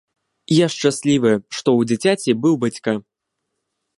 Я шчаслівая, што ў дзіцяці быў бацька.